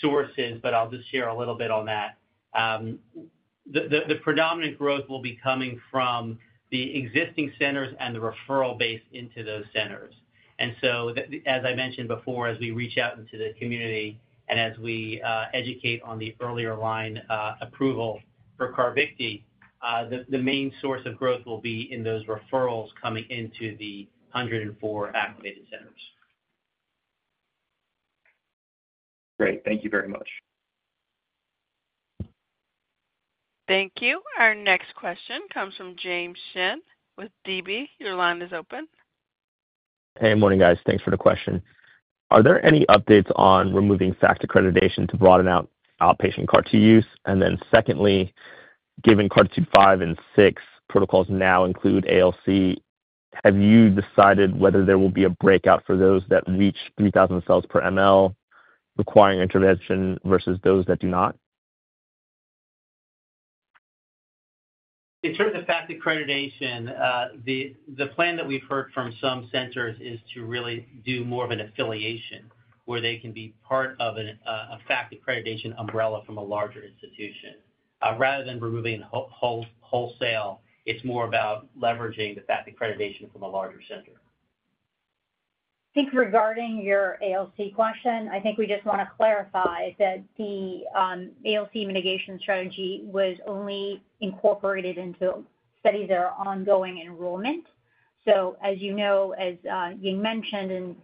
sources, but I'll just share a little bit on that. The predominant growth will be coming from the existing centers and the referral base into those centers. As I mentioned before, as we reach out into the community and as we educate on the earlier line approval for CARVYKTI, the main source of growth will be in those referrals coming into the 104 activated centers. Great. Thank you very much. Thank you. Our next question comes from James Shin with DB. Your line is open. Hey, good morning, guys. Thanks for the question. Are there any updates on removing FACT accreditation to broaden out outpatient CAR-T use? Secondly, given CAR-T2, 5, and 6 protocols now include ALC, have you decided whether there will be a breakout for those that reach 3,000 cells per microliter requiring intervention versus those that do not? In terms of FACT accreditation, the plan that we've heard from some centers is to really do more of an affiliation where they can be part of a FACT accreditation umbrella from a larger institution. Rather than removing wholesale, it's more about leveraging the FACT accreditation from a larger center. I think regarding your ALC question, I think we just want to clarify that the ALC mitigation strategy was only incorporated into studies that are ongoing enrollment. As you know, as Ying mentioned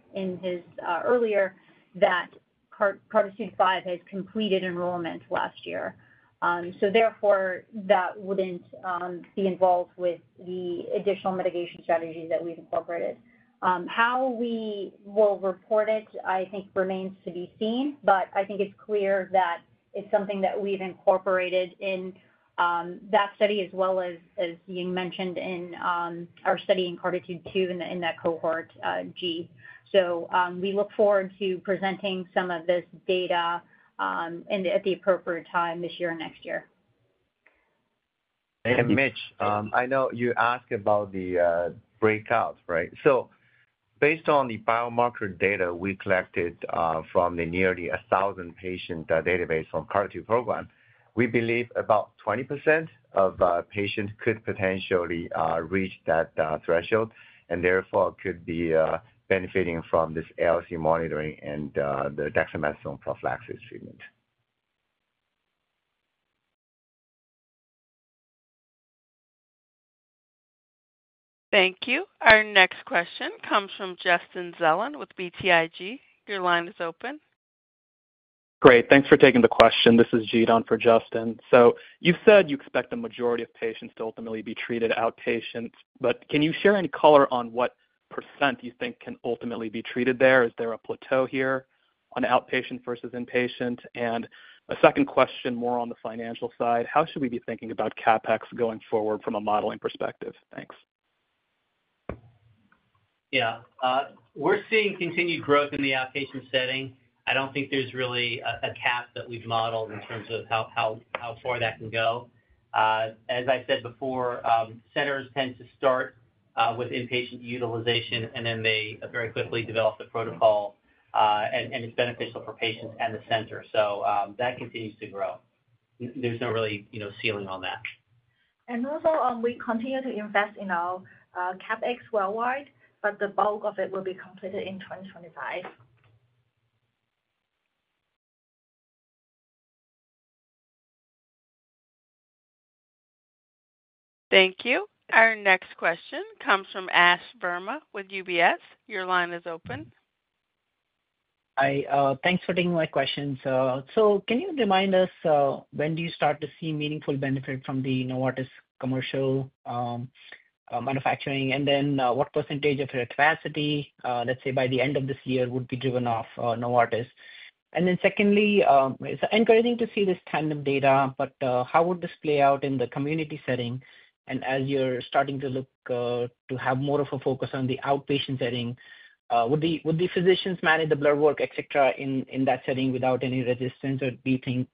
earlier, that CAR-T2, 5 has completed enrollment last year. Therefore, that would not be involved with the additional mitigation strategies that we have incorporated. How we will report it, I think, remains to be seen. I think it is clear that it is something that we have incorporated in that study, as well as Ying mentioned in our study in CAR-T2 in that cohort G. We look forward to presenting some of this data at the appropriate time this year and next year. Mitch, I know you asked about the breakout, right? Based on the biomarker data we collected from the nearly 1,000 patient database from the CAR-T program, we believe about 20% of patients could potentially reach that threshold and therefore could be benefiting from this ALC monitoring and the dexamethasone prophylaxis treatment. Thank you. Our next question comes from Justin Zelin with BTIG. Your line is open. Great. Thanks for taking the question. This is Gideon for Justin. You said you expect the majority of patients to ultimately be treated outpatient. Can you share any color on what % you think can ultimately be treated there? Is there a plateau here on outpatient versus inpatient? A second question more on the financial side. How should we be thinking about CapEx going forward from a modeling perspective? Thanks. Yeah. We're seeing continued growth in the outpatient setting. I don't think there's really a cap that we've modeled in terms of how far that can go. As I said before, centers tend to start with inpatient utilization, and then they very quickly develop the protocol. And it's beneficial for patients and the center. That continues to grow. There's no really ceiling on that. We continue to invest in our CapEx worldwide, but the bulk of it will be completed in 2025. Thank you. Our next question comes from Ashwani Verma with UBS. Your line is open. Hi. Thanks for taking my question. Can you remind us when do you start to see meaningful benefit from the Novartis commercial manufacturing? What percentage of your capacity, let's say by the end of this year, would be driven off Novartis? Secondly, it is encouraging to see this tandem data, but how would this play out in the community setting? As you are starting to look to have more of a focus on the outpatient setting, would the physicians manage the blood work, etc., in that setting without any resistance? Do you think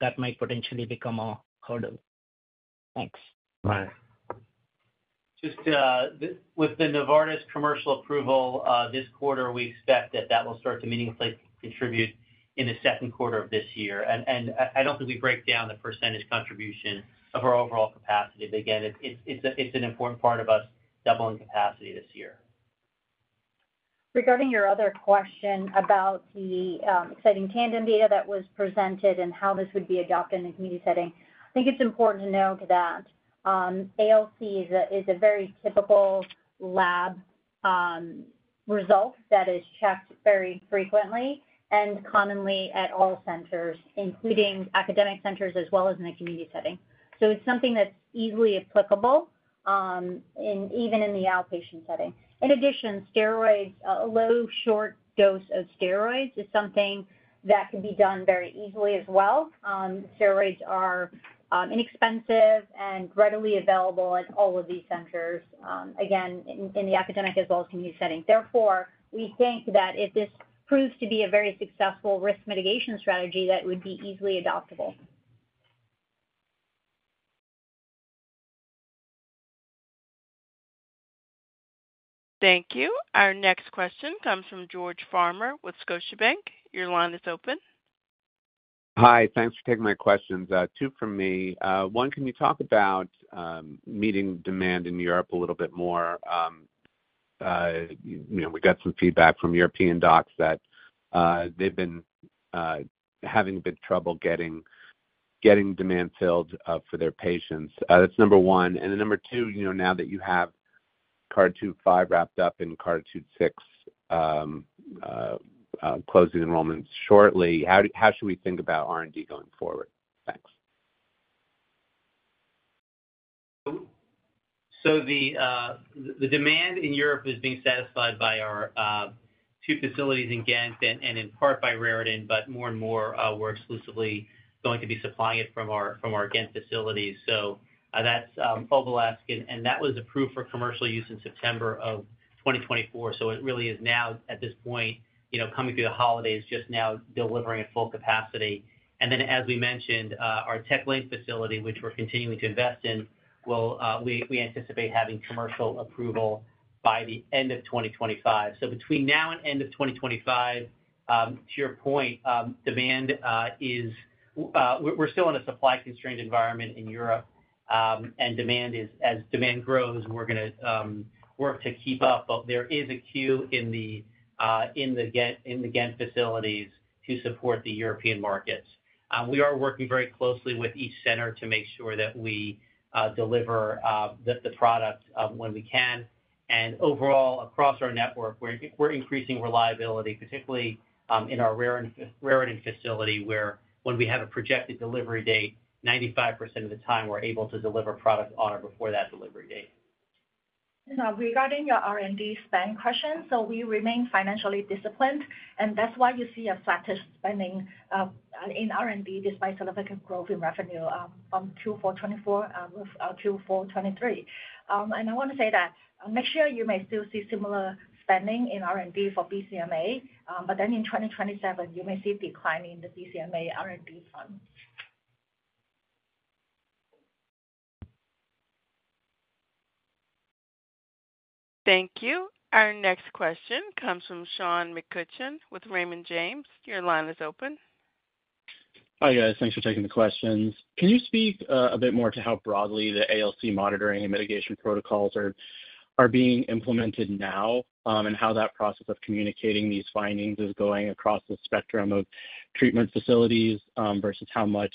that might potentially become a hurdle? Thanks. My. Just with the Novartis commercial approval this quarter, we expect that that will start to meaningfully contribute in the second quarter of this year. I don't think we break down the percentage contribution of our overall capacity. Again, it's an important part of us doubling capacity this year. Regarding your other question about the exciting tandem data that was presented and how this would be adopted in the community setting, I think it's important to note that ALC is a very typical lab result that is checked very frequently and commonly at all centers, including academic centers as well as in the community setting. It is something that's easily applicable even in the outpatient setting. In addition, low short dose of steroids is something that can be done very easily as well. Steroids are inexpensive and readily available at all of these centers, again, in the academic as well as community setting. Therefore, we think that if this proves to be a very successful risk mitigation strategy, that would be easily adoptable. Thank you. Our next question comes from George Farmer with Scotiabank. Your line is open. Hi. Thanks for taking my questions. Two from me. One, can you talk about meeting demand in Europe a little bit more? We got some feedback from European docs that they've been having a bit of trouble getting demand filled for their patients. That's number one. Then number two, now that you have CAR-T2, 5 wrapped up and CAR-T2, 6 closing enrollment shortly, how should we think about R&D going forward? Thanks. The demand in Europe is being satisfied by our two facilities in Ghent and in part by Raritan, but more and more, we're exclusively going to be supplying it from our Ghent facilities. That's Obelis. That was approved for commercial use in September of 2024. It really is now, at this point, coming through the holidays, just now delivering at full capacity. As we mentioned, our Tech Lane facility, which we're continuing to invest in, we anticipate having commercial approval by the end of 2025. Between now and end of 2025, to your point, we're still in a supply-constrained environment in Europe. As demand grows, we're going to work to keep up. There is a queue in the Ghent facilities to support the European markets. We are working very closely with each center to make sure that we deliver the product when we can. Overall, across our network, we're increasing reliability, particularly in our Raritan facility, where when we have a projected delivery date, 95% of the time we're able to deliver product on or before that delivery date. Now, regarding your R&D spend question, we remain financially disciplined. That's why you see a flat spending in R&D despite significant growth in revenue on Q4 2024 with Q4 2023. I want to say that next year, you may still see similar spending in R&D for BCMA. In 2027, you may see a decline in the BCMA R&D fund. Thank you. Our next question comes from Sean McCutcheon with Raymond James. Your line is open. Hi guys. Thanks for taking the questions. Can you speak a bit more to how broadly the ALC monitoring and mitigation protocols are being implemented now and how that process of communicating these findings is going across the spectrum of treatment facilities versus how much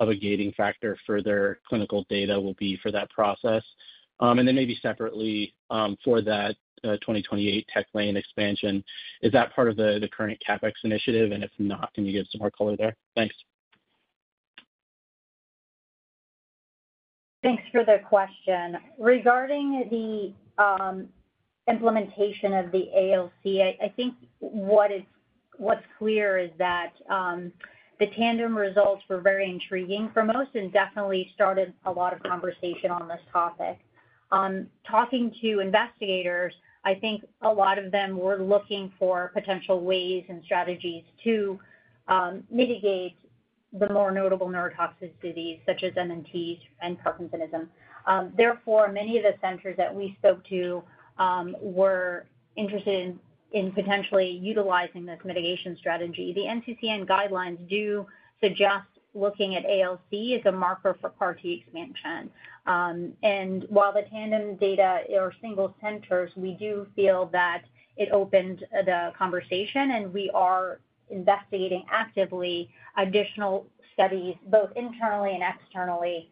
of a gating factor for their clinical data will be for that process? Maybe separately for that 2028 Tech Lane expansion, is that part of the current CapEx initiative? If not, can you give some more color there? Thanks. Thanks for the question. Regarding the implementation of the ALC, I think what's clear is that the tandem results were very intriguing for most and definitely started a lot of conversation on this topic. Talking to investigators, I think a lot of them were looking for potential ways and strategies to mitigate the more notable neurotoxic disease, such as MNTs and Parkinsonism. Therefore, many of the centers that we spoke to were interested in potentially utilizing this mitigation strategy. The NCCN guidelines do suggest looking at ALC as a marker for CAR-T expansion. While the tandem data are single centers, we do feel that it opened the conversation. We are investigating actively additional studies, both internally and externally,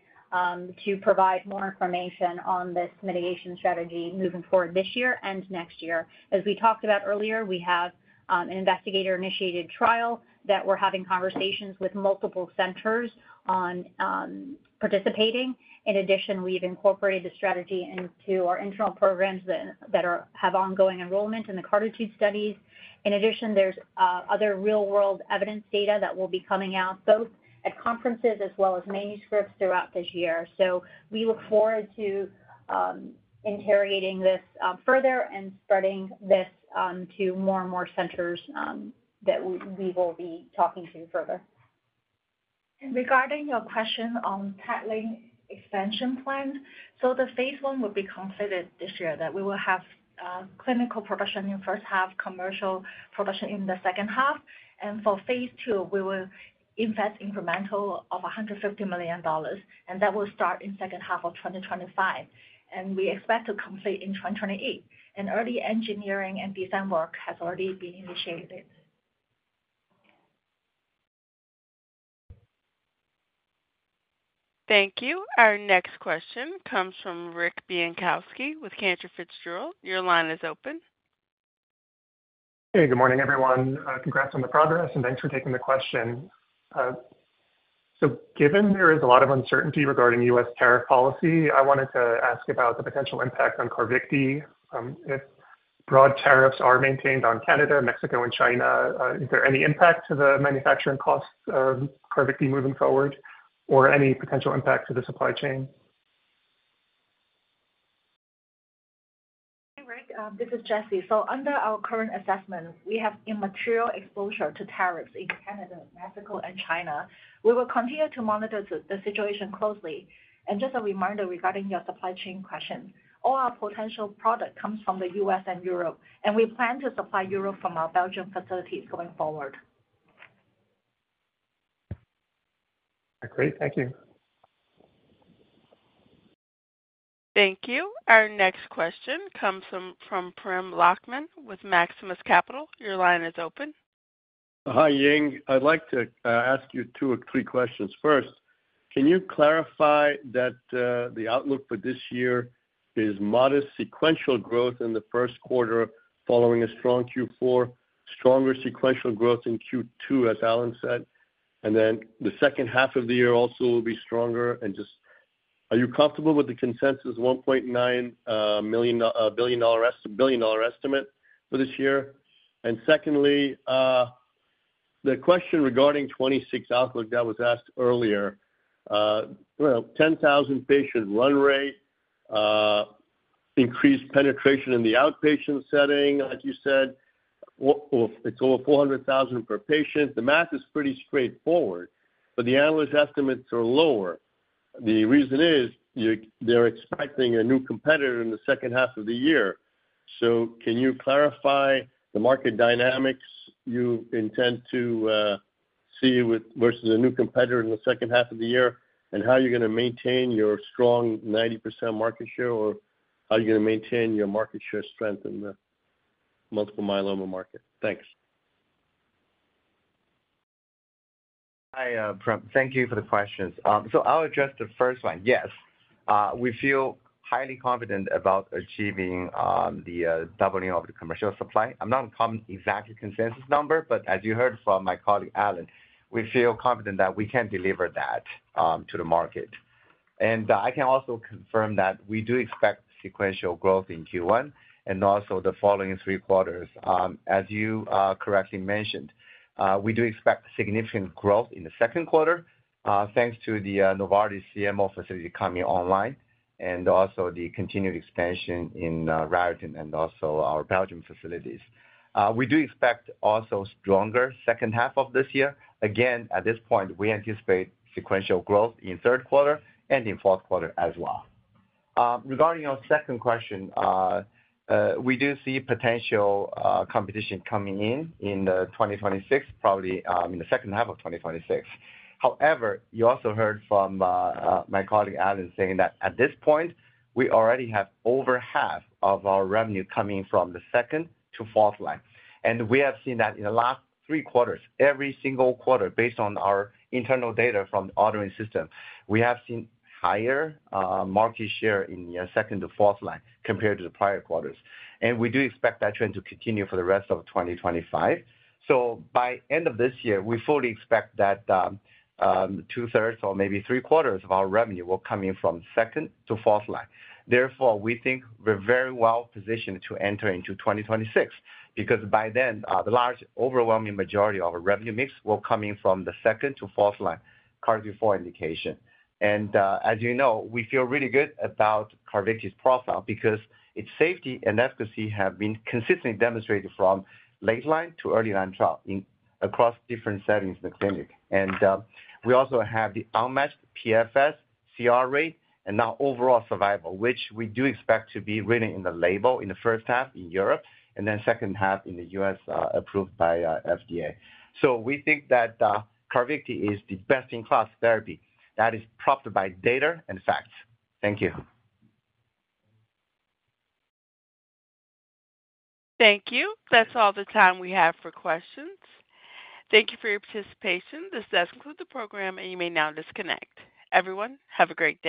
to provide more information on this mitigation strategy moving forward this year and next year. As we talked about earlier, we have an investigator-initiated trial that we're having conversations with multiple centers on participating. In addition, we've incorporated the strategy into our internal programs that have ongoing enrollment in the CARTITUDE-2 studies. In addition, there's other real-world evidence data that will be coming out both at conferences as well as manuscripts throughout this year. We look forward to interrogating this further and spreading this to more and more centers that we will be talking to further. Regarding your question on Tech Lane expansion plan, the phase I would be completed this year, that we will have clinical production in the first half, commercial production in the second half. For phase II, we will invest incremental of $150 million. That will start in the second half of 2025. We expect to complete in 2028. Early engineering and design work has already been initiated. Thank you. Our next question comes from Rick Bienkowski with Cantor Fitzgerald. Your line is open. Hey, good morning, everyone. Congrats on the progress. Thanks for taking the question. Given there is a lot of uncertainty regarding U.S. tariff policy, I wanted to ask about the potential impact on CARVYKTI. If broad tariffs are maintained on Canada, Mexico, and China, is there any impact to the manufacturing costs of CARVYKTI moving forward or any potential impact to the supply chain? Hey, Rick. This is Jessie. Under our current assessment, we have immaterial exposure to tariffs in Canada, Mexico, and China. We will continue to monitor the situation closely. Just a reminder regarding your supply chain question. All our potential product comes from the U.S. and Europe. We plan to supply Europe from our Belgian facilities going forward. Great. Thank you. Thank you. Our next question comes from Prem Lachman with Maximus Capital. Your line is open. Hi, Ying. I'd like to ask you two or three questions. First, can you clarify that the outlook for this year is modest sequential growth in the first quarter following a strong Q4, stronger sequential growth in Q2 as Alan said. The second half of the year also will be stronger. Are you comfortable with the consensus $1.9 billion estimate for this year? Secondly, the question regarding 2026 outlook that was asked earlier, 10,000 patient run rate, increased penetration in the outpatient setting, like you said, it's over $400,000 per patient. The math is pretty straightforward, but the analyst estimates are lower. The reason is they're expecting a new competitor in the second half of the year. Can you clarify the market dynamics you intend to see versus a new competitor in the second half of the year? How are you going to maintain your strong 90% market share? How are you going to maintain your market share strength in the multiple myeloma market? Thanks. Hi, Prem. Thank you for the questions. I'll address the first one. Yes, we feel highly confident about achieving the doubling of the commercial supply. I'm not quoting exactly the consensus number, but as you heard from my colleague Alan, we feel confident that we can deliver that to the market. I can also confirm that we do expect sequential growth in Q1 and also the following three quarters. As you correctly mentioned, we do expect significant growth in the second quarter thanks to the Novartis CMO facility coming online and also the continued expansion in Raritan and our Belgian facilities. We do expect also a stronger second half of this year. At this point, we anticipate sequential growth in the third quarter and in the fourth quarter as well. Regarding your second question, we do see potential competition coming in 2026, probably in the second half of 2026. However, you also heard from my colleague Alan saying that at this point, we already have over half of our revenue coming from the second to fourth line. We have seen that in the last three quarters, every single quarter, based on our internal data from the ordering system, we have seen higher market share in the second to fourth line compared to the prior quarters. We do expect that trend to continue for the rest of 2025. By end of this year, we fully expect that two-thirds or maybe three-quarters of our revenue will come in from second to fourth line. Therefore, we think we're very well positioned to enter into 2026 because by then, the large overwhelming majority of our revenue mix will come in from the second to fourth line, CARTITUDE-4 indication. As you know, we feel really good about CARVYKTI's profile because its safety and efficacy have been consistently demonstrated from late line to early line trial across different settings in the clinic. We also have the unmatched PFS, CR rate, and now overall survival, which we do expect to be written in the label in the first half in Europe and then second half in the U.S. approved by FDA. We think that CARVYKTI is the best-in-class therapy that is propped by data and facts. Thank you. Thank you. That's all the time we have for questions. Thank you for your participation. This does conclude the program, and you may now disconnect. Everyone, have a great day.